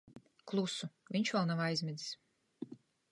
Klusu. Viņš vēl nav aizmidzis.